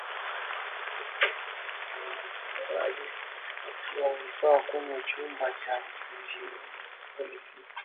ufungaji wa vifaa kwenye chumba cha injini ulifanyika